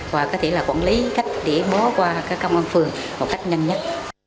và có thể là quản lý cách để bó qua các công an phường một cách nhanh nhất